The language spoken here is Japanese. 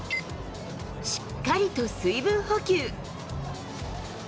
しっかりと水分補給。